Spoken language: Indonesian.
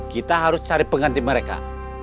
kita harus cari pengganti mereka